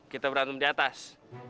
kita berantem di atas